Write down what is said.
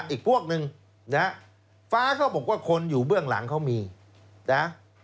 อีกพวกหนึ่งนะฟ้าก็บอกว่าคนอยู่เบื้องหลังเขามีนะ